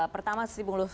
pertama stimulus pariwisata